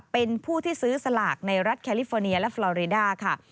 เป็นผู้ที่ซื้อสลากในรัฐแคลิฟอร์เนียและฟลอริดาค่ะ